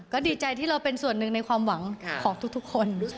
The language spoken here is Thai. ก็ดีใจที่เราเป็นส่วนหนึ่งในความหวังของทุกคนด้วย